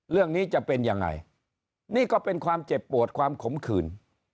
เรื่องนี้จะเป็นยังไงนี่ก็เป็นความเจ็บปวดความขมขืน